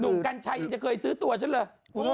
หนุ่มกัญชัยจะเคยซื้อตัวฉันเหรอ